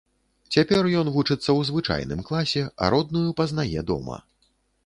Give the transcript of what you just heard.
Цяпер ён вучыцца ў звычайным класе, а родную пазнае дома.